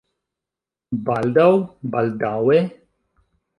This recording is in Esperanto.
Baldaŭ? Baldaŭe?